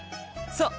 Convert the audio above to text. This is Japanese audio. そう。